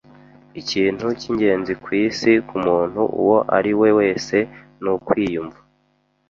Ikintu cyingenzi kwisi kumuntu uwo ari we wese nukwiyumva.